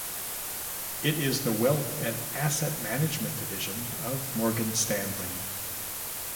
It is the wealth and asset management division of Morgan Stanley.